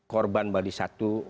korban bali satu